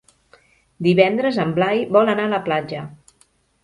Divendres en Blai vol anar a la platja.